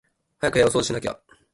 早く部屋を掃除しなきゃ